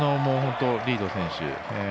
リード選手